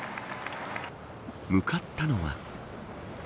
向かったのは。